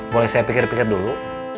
boleh saya pikir pikir dulu